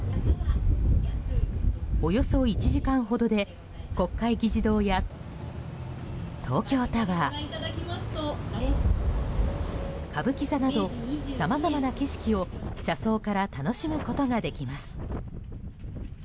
およそ１時間ほどで国会議事堂や東京タワー、歌舞伎座などさまざまな景色を車窓から楽しむことができます。